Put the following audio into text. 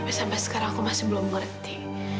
tapi sampai sekarang aku masih belum mengerti